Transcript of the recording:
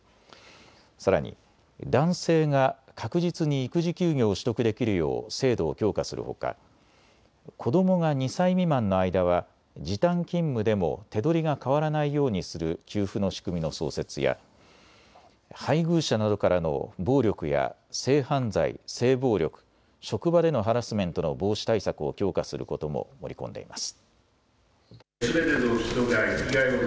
さらに男性が確実に育児休業を取得できるよう制度を強化するほか、子どもが２歳未満の間は時短勤務でも手取りが変わらないようにする給付の仕組みの創設や配偶者などからの暴力や性犯罪・性暴力、職場でのハラスメントの防止対策を強化することも盛り込んでいます。